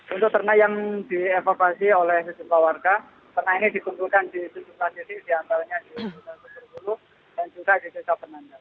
untuk ternak yang dievakuasi oleh warga ternak ini digunakan di situasi di antaranya di bukit kudus dan juga di kisah penanda